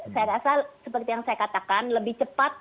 saya rasa seperti yang saya katakan lebih cepat